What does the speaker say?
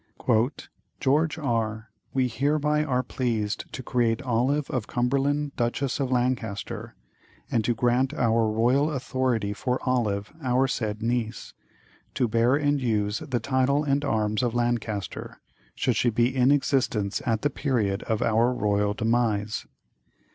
"George R. We hereby are pleased to create Olive of Cumberland Duchess of Lancaster, and to grant our royal authority for Olive, our said niece, to bear and use the title and arms of Lancaster, should she be in existence at the period of our royal demise.